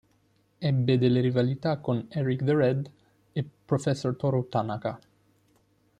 Ebbe delle rivalità con Eric the Red e Professor Toru Tanaka.